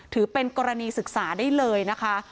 ถือเป็นกรณีศึกษาได้เลยนะคะ